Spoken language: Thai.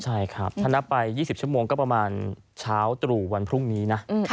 ใช่ครับถ้านับไป๒๐ชั่วโมงก็ประมาณเช้าตรู่วันพรุ่งนี้นะ